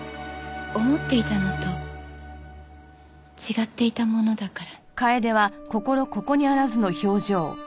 思っていたのと違っていたものだから。